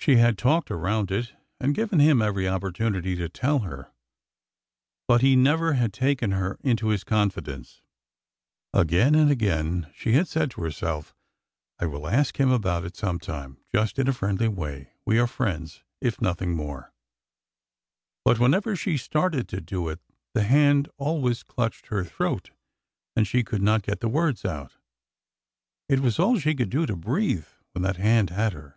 She had talked around it and given him every opportunity to tell her, but he never had taken her into his confidence. Again and again she had said to herself, " I will ask him about it sometime, just in a friendly way— we are friends, if nothing more "; but whenever she started to do it the hand always clutched her throat and she could not get the words out. It was all she could do to breathe when that hand had her.